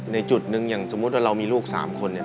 ในจุดหนึ่งอย่างสมมุติว่าเรามีลูก๓คนเนี่ย